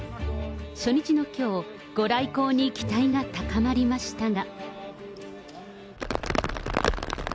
初日のきょう、ご来光に期待が高まりましたが。